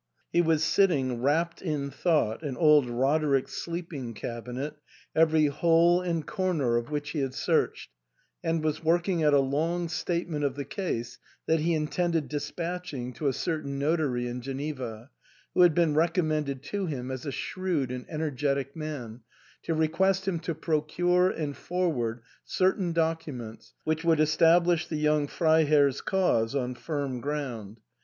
He was sitting wrapt in thought in old Roderick's sleeping cabinet, every hole and comer of which he had searched, and was working at a long statement of the case that he intended despatching to a certain notary in Geneva, who had been recommended to him as a shrewd and energetic man, to request him to procure and forward certain documents which would establish the young Freiherr's cause on firm ground.